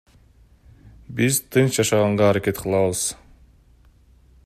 Биз тынч жашаганга аракет кылабыз.